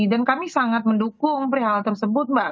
dan kami sangat mendukung perihal tersebut mbak